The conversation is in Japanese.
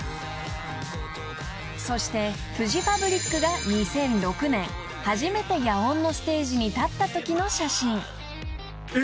［そしてフジファブリックが２００６年初めて野音のステージに立ったときの写真］